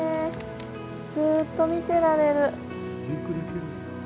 ずっと見てられる。